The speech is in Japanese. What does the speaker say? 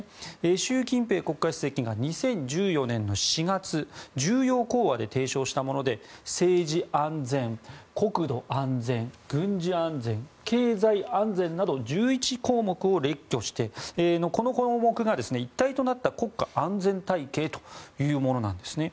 習近平国家主席が２０１４年の４月重要講話で提唱したもので政治安全、国土安全軍事安全、経済安全など１１項目を列挙して、この項目が一体となった国家安全体系というものなんです。